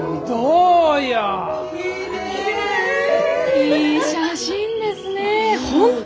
いい写真ですね本当